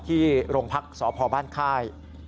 ที่โรงพักษ์สพบ้านค่าย